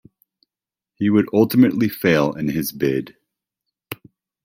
He would ultimately fail in his bid.